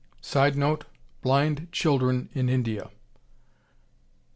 [Sidenote: Blind children in India.